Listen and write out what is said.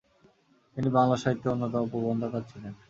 তিনি বাংলা সাহিত্যের অন্যতম প্রবন্ধকার ছিলেন।